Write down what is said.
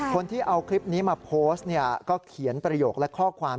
คนที่เอาคลิปนี้มาโพสต์ก็เขียนประโยคและข้อความ